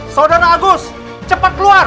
saudara agus cepat keluar